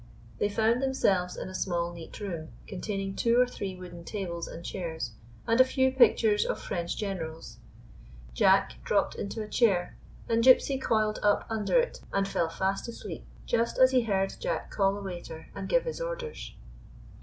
They found themselves in a small, neat room, containing two or three wooden tables and chairs, and a few pictures of French generals. Jack dropped into a chair, and Gypsy coiled up un der it and fell fast asleep, just as he heard Jack call a waiter and give his orders.